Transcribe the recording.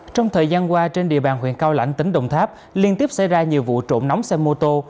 trong thời gian qua trên địa bàn huyện cao lãnh tỉnh đồng tháp liên tiếp xảy ra nhiều vụ trộm nóng xe mô tô